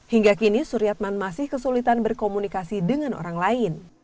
hingga kini suryatman masih kesulitan berkomunikasi dengan orang lain